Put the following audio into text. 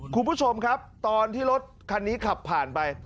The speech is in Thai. คุณผู้ชมครับตอนที่รถคันนี้ขับผ่านไป